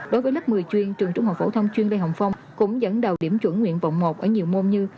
đối với lớp một mươi chuyên trường trung học phổ thông chuyên đề hồng phong cũng dẫn đầu điểm chuẩn nguyện vọng một ở nhiều môn như